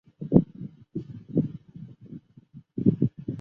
为平成假面骑士系列的第六系列录影带首映作品。